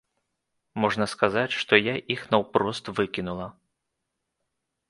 Можна сказаць, што я іх наўпрост выкінула.